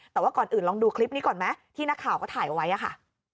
แต่ว่าก่อนอื่นลองดูคลิปนี้ก่อนไหมที่นักข่าวก็ถ่ายเอาไว้ค่ะ